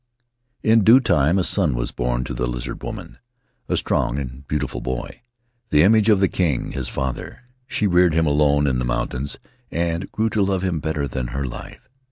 "In due time a son was born to that Lizard Woman — a strong and beautiful boy, the image of the king his father; she reared him alone in the mountains and grew to love him better than her life.